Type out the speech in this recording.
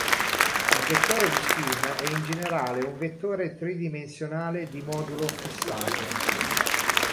Il vettore di spin è in generale un vettore tridimensionale, di modulo fissato.